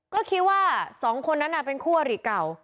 ก็คิดว่าสองคนนั้นเป็นคู่อริเก่า